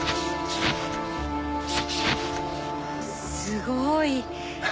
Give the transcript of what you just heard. すごい。